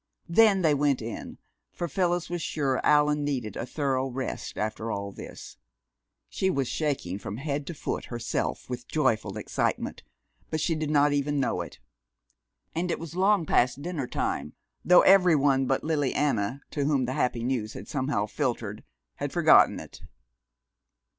Then they went in, for Phyllis was sure Allan needed a thorough rest after all this. She was shaking from head to foot herself with joyful excitement, but she did not even know it. And it was long past dinner time, though every one but Lily Anna, to whom the happy news had somehow filtered, had forgotten it.